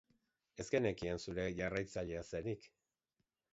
Ez genekien zure jarraitzailea zenik.